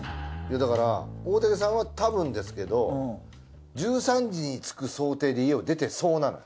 だから大竹さんはたぶんですけど１３時に着く想定で家を出てそうなの。